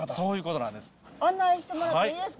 案内してもらっていいですか。